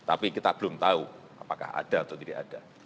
tapi kita belum tahu apakah ada atau tidak ada